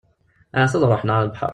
Ahat ad ruḥen ɣer lebḥer.